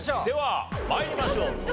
では参りましょう。